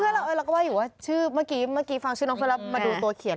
เราก็ว่าอยู่ว่าเมื่อกี้ฟังชื่อน้องเพื่อนเรามาดูตัวเขียน